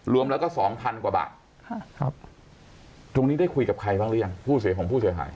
รวมแล้วก็สองพันกว่าบาทตรงนี้ได้คุยกับใครบ้างหรือยังผู้เสียของผู้เสียหาย